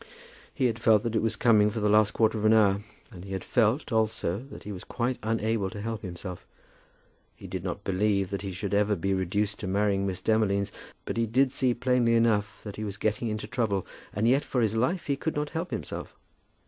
He had felt that it was coming for the last quarter of an hour, and he had felt, also, that he was quite unable to help himself. He did not believe that he should ever be reduced to marrying Miss Demolines, but he did see plainly enough that he was getting into trouble; and yet, for his life, he could not help himself.